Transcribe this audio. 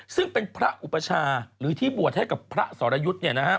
ซึ่งเป็นพระอุปชาหรือที่บวชให้กับพระสรยุทธ์